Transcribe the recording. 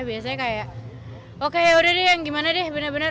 biasanya kayak oke yaudah deh yang gimana deh bener bener